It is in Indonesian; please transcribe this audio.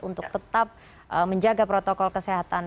untuk tetap menjaga protokol kesehatan